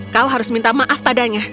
kau harus minta maaf padanya